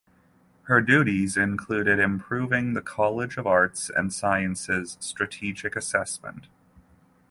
Her duties included improving the College of Arts and Sciences strategic assessment.